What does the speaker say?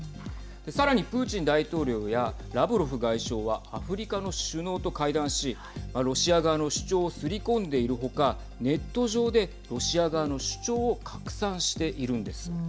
さらに、プーチン大統領やラブロフ外相はアフリカの首脳と会談しロシア側の主張をすり込んでいるほかネット上でロシア側の主張を拡散しているんです。